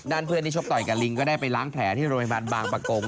เพื่อนที่ชกต่อยกับลิงก็ได้ไปล้างแผลที่โรงพยาบาลบางประกง